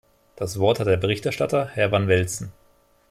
Das Wort hat der Berichterstatter, Herr van Velzen.